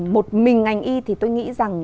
một mình ngành y thì tôi nghĩ rằng